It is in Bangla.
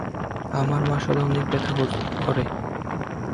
আমার মাসলে অনেক ব্যথা করে।